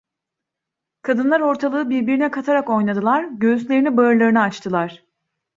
Kadınlar ortalığı birbirine katarak oynadılar, göğüslerini bağırlarını açtılar.